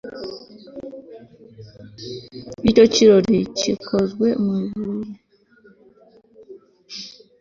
icyo kiraro gikozwe mu ibuye